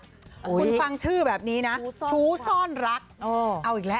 คุณฟังชื่อแบบนี้นะชู้ซ่อนรักเอาอีกแล้ว